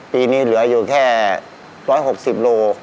ปีนี้เหลืออยู่แค่๑๖๐โล